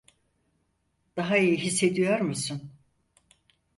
Daha iyi hissediyor musun?